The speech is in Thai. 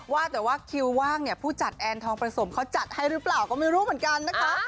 ว่าแต่ว่าคิวว่างเนี่ยผู้จัดแอนทองประสมเขาจัดให้หรือเปล่าก็ไม่รู้เหมือนกันนะคะ